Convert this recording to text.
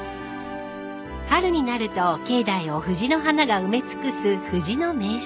［春になると境内を藤の花が埋め尽くす藤の名所］